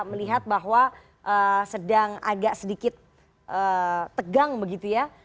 melihat bahwa sedang agak sedikit tegang begitu ya